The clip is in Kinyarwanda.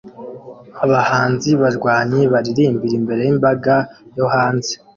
Abahanzi barwanyi baririmbira imbere yimbaga yo hanze